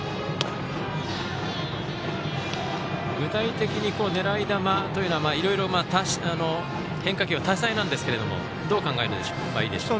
具体的に狙い球というのはいろいろ変化球は多彩なんですがどう考えればいいでしょうか。